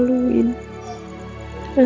untuk memulai hidup baru